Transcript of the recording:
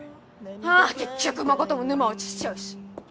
ああ結局誠も沼落ちちゃうし！